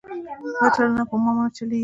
دا چلونه مو پر ما نه چلېږي.